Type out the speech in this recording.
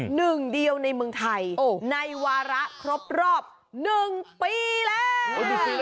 หนึ่งเดียวในเมืองไทยในวาระครบรอบ๑ปีแล้ว